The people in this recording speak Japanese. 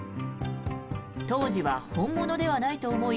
当時は本物ではないと思い